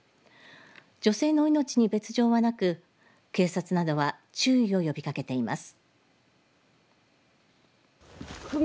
女性の命に別状はなく警察などは注意を呼びかけています。